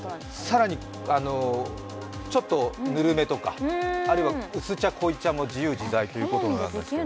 更に、ちょっとぬるめとか薄茶、濃茶も自由自在ということですね。